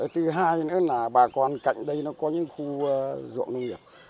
thứ hai nữa là bà con cạnh đây nó có những khu ruộng nông nghiệp